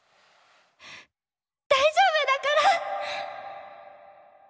大丈夫だから！